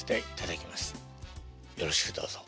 よろしくどうぞ。